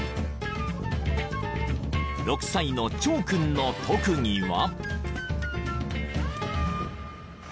［６歳の張君の特技は］